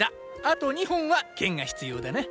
あと２本は剣が必要だな。